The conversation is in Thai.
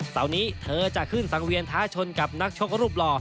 เสาร์นี้เธอจะขึ้นสังเวียนท้าชนกับนักชกรูปหล่อ